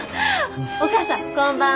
おかあさんこんばんは。